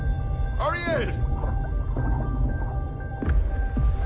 アリエル！